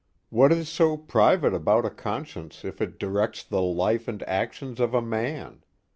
What is so private about a conscience if it directs the life and actions of a man?